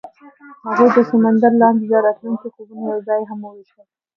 هغوی د سمندر لاندې د راتلونکي خوبونه یوځای هم وویشل.